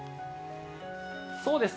そうですね。